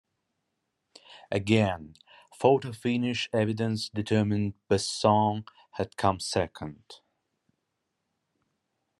Again, photo finish evidence determined Besson had come second.